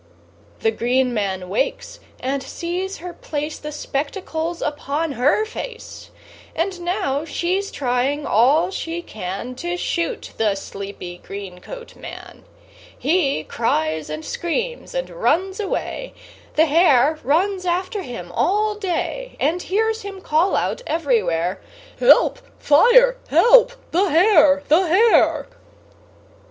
The green man wakes and sees her place The spectacles upon her face; And now she's trying all she can To shoot the sleepy, green coat man. He cries and screams and runs away; The hare runs after him all day And hears him call out everywhere: "Help! Fire! Help! The Hare! The Hare!"